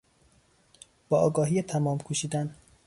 با آگاهی تمام کوشیدن